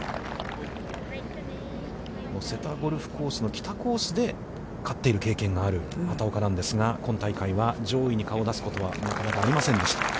瀬田ゴルフコース・北コースで勝っている経験がある畑岡なんですが、今大会は上位に顔を出すことは、なかなかありませんでした。